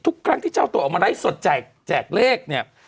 ทุกครั้งที่เจ้าตัวออกมาไลฟ์สดแจกเลขเนี่ย